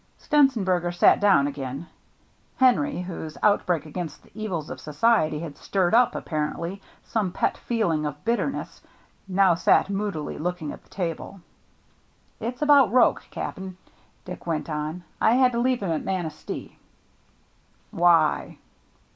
Stenzenberger sat down again. Henry, whose outbreak against the evils of society had stirred up, apparently, some pet feeling of bitterness, now sat moodily looking at the table. "It's about Roche, Cap'n," Dick went on. "I had to leave him at Manistee." "Why?"